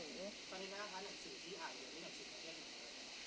สมมุติว่าค่ะหนังสือที่อ่านหรือหนังสือที่เรียน